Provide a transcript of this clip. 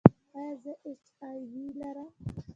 ایا زه ایچ آی وي لرم؟